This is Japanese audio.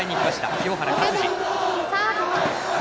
清原勝児。